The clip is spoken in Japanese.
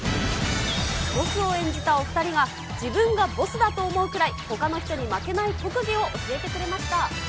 ボスを演じたお２人が、自分がボスだと思うぐらいほかの人に負けない特技を教えてくれま